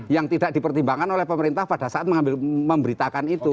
yang tidak dipertimbangkan oleh pemerintah pada saat mengambil memberitakan itu